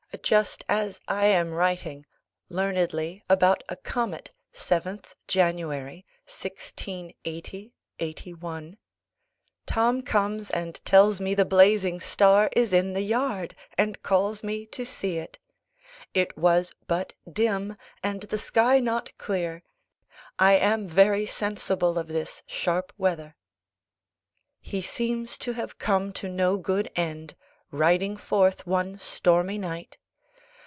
Just as I am writing (learnedly about a comet, 7th January 1680 81) Tom comes and tells me the blazing star is in the yard, and calls me to see it. It was but dim, and the sky not clear.... I am very sensible of this sharp weather.+ He seems to have come to no good end, riding forth one stormy night.